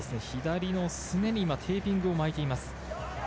左のすねにテーピングを巻いています。